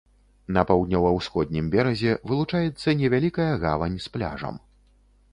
На паўднёва-ўсходнім беразе вылучаецца невялікая гавань з пляжам.